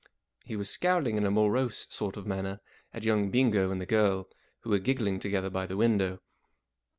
He was scowling in a morose sort of manner at young Bingo and the girl, who were giggling together by the window.